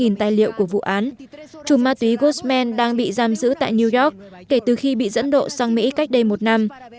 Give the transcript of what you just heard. trước đó thẩm phán mỹ đã hoãn phiên xét xử chùm ma túy guzman đang bị giam giữ tại new york kể từ khi bị dẫn độ sang mỹ cách đây một năm